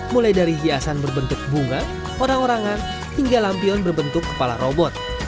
mulai dari hiasan berbentuk bunga orang orangan hingga lampion berbentuk kepala robot